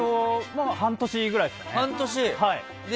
半年ぐらいですかね。